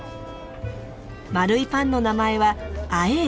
丸いパンの名前はアエーシ。